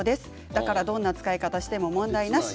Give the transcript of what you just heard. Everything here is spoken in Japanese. だからどんな使い方をしても問題なし。